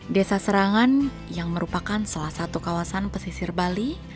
desa serangan yang merupakan salah satu kawasan pesisir bali